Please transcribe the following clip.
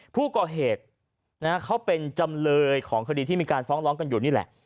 ผู้ก่อเหตุเขาเป็นจำเลยของคดีที่มีการฟ้องร้องกันอยู่นี่แหละ